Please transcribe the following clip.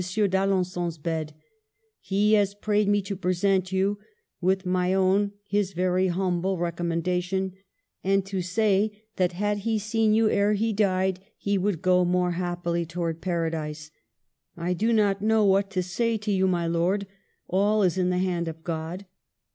d'Alengon's bed j he has prayed me to present you, with my own, his very humble recommendation, and to say that had he seen you ere he died he would go more happily towards Paradise. I do not know what to say to you, my lord. All is in the hand of God.